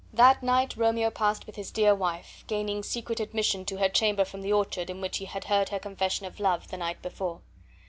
That night Romeo passed with his dear wife, gaining secret admission to her chamber from the orchard in which he had heard her confession of love the night before.